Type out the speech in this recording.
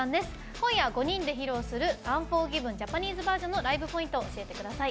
今夜、お届けする「ＵＮＦＯＲＧＩＶＥＮＪａｐａｎｅｓｅｖｅｒ．」のライブポイントを教えてください。